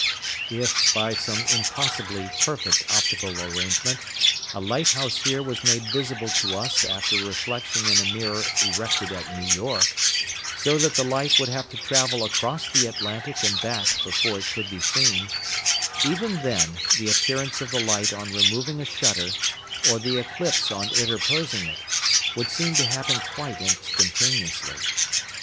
If, by some impossibly perfect optical arrangement, a lighthouse here were made visible to us after reflection in a mirror erected at New York, so that the light would have to travel across the Atlantic and back before it could be seen, even then the appearance of the light on removing a shutter, or the eclipse on interposing it, would seem to happen quite instantaneously.